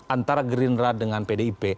antara green rat dengan pdp